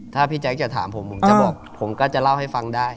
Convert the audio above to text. ถ้าพี่แจ๊คจะถามผมผมจะบอกผมก็จะเล่าให้ฟังได้